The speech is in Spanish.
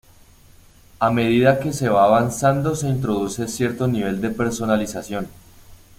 A medida que se va avanzando se introduce cierto nivel de personalización.